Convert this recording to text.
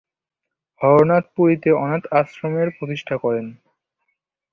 হরনাথ পুরীতে অনাথ আশ্রমের প্রতিষ্ঠা করেন।